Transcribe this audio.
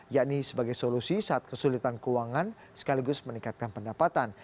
yakni sebagai solusi saat kesulitan keuangan sekaligus meningkatkan pendapatan